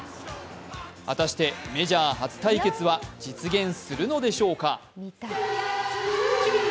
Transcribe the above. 果たしてメジャー初対決は実現するのでしょうか。